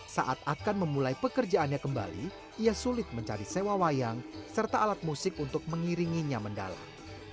saat akan memulai pekerjaannya kembali ia sulit mencari sewa wayang serta alat musik untuk mengiringinya mendalam